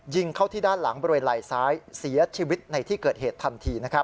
ยิงเข้าที่ด้านหลังบริเวณไหล่ซ้ายเสียชีวิตในที่เกิดเหตุทันที